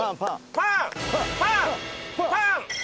「パン」「パン」「パン」！